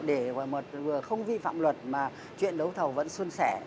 để một không vi phạm luật mà chuyện đấu thầu vẫn xuân xẻ